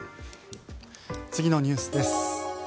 次のニュースです。